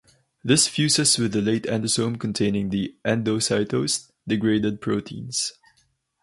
This fuses with a late endosome containing the endocytosed, degraded proteins.